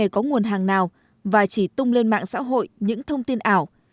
không hề có nguồn hàng nào và chỉ tung lên mạng xã hội những thông tin ảo